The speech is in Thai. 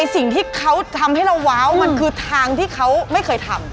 สิ่งที่เขาทำให้เราว้าวมันคือทางที่เขาไม่เคยทำ